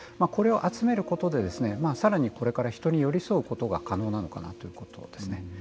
これを集めることでさらにこれから人に寄り添うことが可能なのかなということですね。